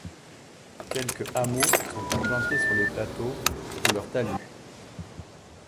Quelques hameaux sont implantés sur les plateaux ou leur talus.